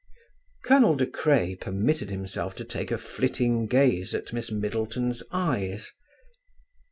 Colonel De Craye permitted himself to take a flitting gaze at Miss Middleton's eyes.